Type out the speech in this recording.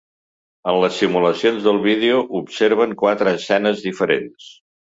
En les simulacions del vídeo observen quatre escenaris diferents.